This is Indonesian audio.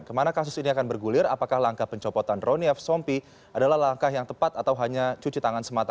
kemana kasus ini akan bergulir apakah langkah pencopotan ronief sompi adalah langkah yang tepat atau hanya cuci tangan semata